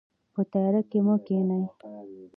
په تیاره کې مه کښینئ.